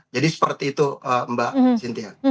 jadi seperti itu mbak cynthia